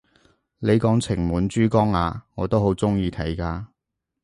你講情滿珠江咓，我都好鍾意睇㗎！